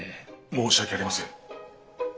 申し訳ありません。